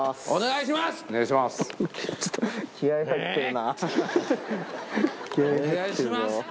お願いします！